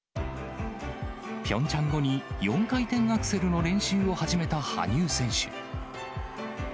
ピョンチャン後に、４回転アクセルの練習を始めた羽生選手。